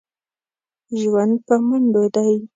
ژوند په منډو دی.